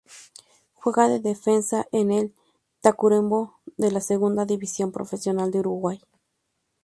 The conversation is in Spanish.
Juega de defensa en el Tacuarembó, de la Segunda División Profesional de Uruguay.